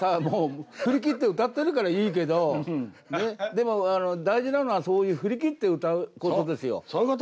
もう振り切って歌ってるからいいけどでも大事なのはそういう振り切って歌うことですよ。